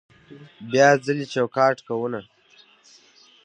بیا ځلې چوکاټ کوونه